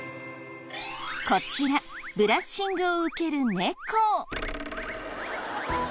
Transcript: こちらブラッシングを受ける猫。